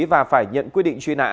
và phải nhận quyết định truy nã